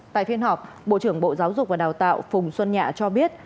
tại phiên họp bộ trưởng bộ giáo dục và đào tạo phùng xuân nhạ cho biết